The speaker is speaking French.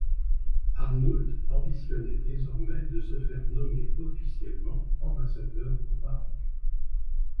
Arnoult ambitionnait désormais de se faire nommer officiellement ambassadeur au Maroc.